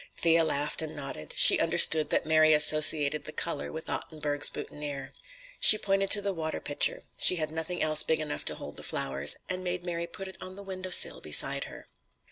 Thea laughed and nodded. She understood that Mary associated the color with Ottenburg's boutonnière. She pointed to the water pitcher,—she had nothing else big enough to hold the flowers,—and made Mary put it on the window sill beside her.